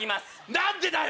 何でだよ